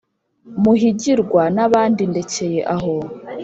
Muhigirwa n’abandi ndekeye aho ,